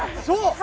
そう！